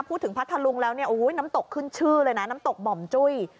พัทธลุงแล้วเนี่ยน้ำตกขึ้นชื่อเลยนะน้ำตกหม่อมจุ้ย